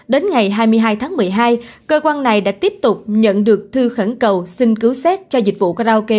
đến ngày hai mươi hai tháng một mươi hai cơ quan này đã tiếp tục nhận được thư khẩn cầu xin cứu xét cho dịch vụ karaoke